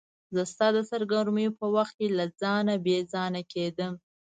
زه ستا د سرګرمیو په وخت کې له ځانه بې ځانه کېدم.